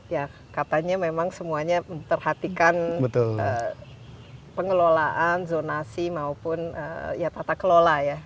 ya katanya memang semuanya memperhatikan pengelolaan zonasi maupun ya tata kelola ya